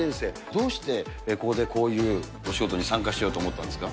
どうして、ここでこういうお仕事に参加しようと思ったんですか。